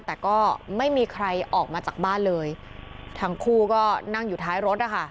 แต่ก็ไม่มีใครออกมาจากบ้านเลยทั้งคู่ก็นั่งอยู่ท้ายรถนะคะ